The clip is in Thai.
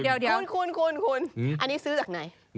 เดี๋ยวคุณอันนี้ซื้อจากไหน